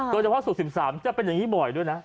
โดยเฉพาะศุกร์๑๓จะเป็นอย่างนี้บ่อยด้วยนะ